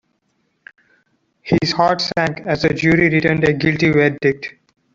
His heart sank as the jury returned a guilty verdict.